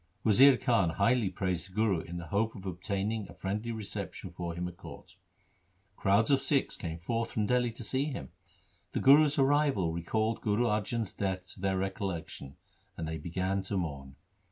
Wazir Khan highly praised the Guru in the hope of obtaining a friendly reception for him at court. Crowds of Sikhs came forth from Dihli to see him. The Guru's arrival recalled Guru Arjan's death to their recollection and they began to mourn.